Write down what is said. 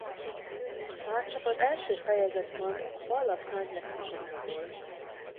Már csak az első fejezet van A Pallas nagy lexikonából.